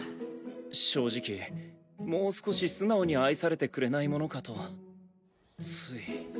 正直もう少し素直に愛されてくれないものかとつい。